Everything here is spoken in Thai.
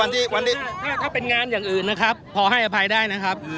วันนี้ถ้าเป็นงานอย่างอื่นนะครับพอให้อภัยได้นะครับ